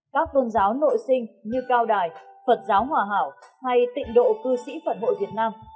các tôn giáo nội sinh như cao đài phật giáo hòa hảo hay tịnh độ cư sĩ phận hội việt nam